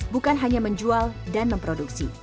bukan hanya menjual dan memproduksi